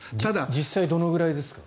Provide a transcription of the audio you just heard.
実際、どのくらいですか？